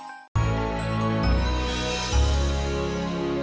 abah juga minta diganti abah